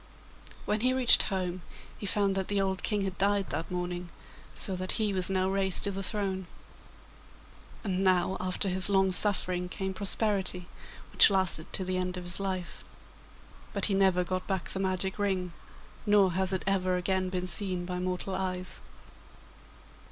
When he reached home he found that the old King had died that morning, so that he was now raised to the throne. And now after his long suffering came prosperity, which lasted to the end of his life; but he never got back the magic ring, nor has it ever again been seen by mortal eyes.